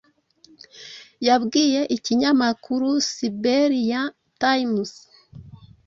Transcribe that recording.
yabwiye ikinyamakuru Siberian times